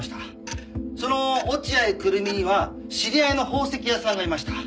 その落合久瑠実には知り合いの宝石屋さんがいました。